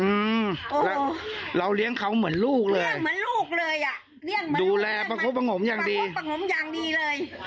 อืมแล้วเราเลี้ยงเขาเหมือนลูกเลยเหมือนลูกเลยอ่ะเลี่ยงมาดูแลประคบประงมอย่างดีประงมอย่างดีเลย